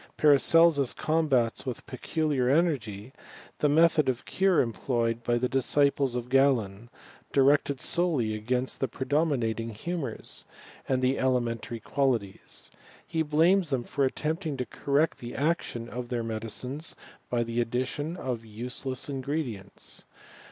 Paracelsus combats with peculiar energy the method of cure employed by the disciples of Gralen, directed solely against the predominating humours, and the elementary qualities. He blames them for attempting to correct the action of their medicines, by the addition of useless ingredients.